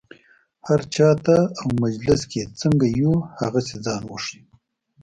هر چا ته او مجلس کې څنګه یو هغسې ځان وښیو.